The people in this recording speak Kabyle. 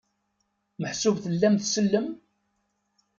Meḥsub tellam tsellem?